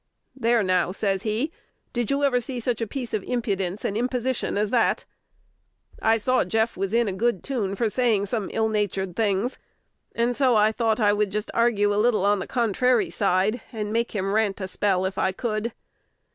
"There, now," says he, "did you ever see such a piece of impudence and imposition as that?" I saw Jeff was in a good tune for saying some ill natured things, and so I tho't I would just argue a little on the contrary side, and make him rant a spell if I could.